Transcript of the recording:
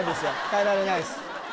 変えられないです